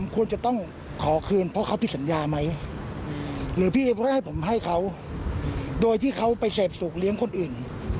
ควรจะต้องขอคืนเพราะเขาผิดสัญญาไหมหรือพี่ให้ผมให้เขาโดยที่เขาไปเสพสุขเลี้ยงคนอื่น